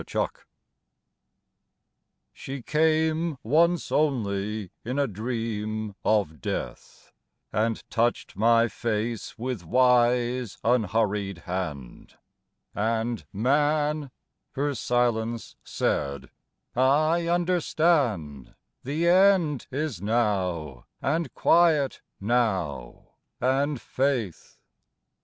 125 XXXII SHE came once only in a dream of death And touched my face with wise, unhurried hand, And " Man," her silence said, "I understand The end is now, and quiet now, and faith.'